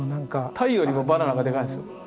タイよりもバナナがでかいんですよ。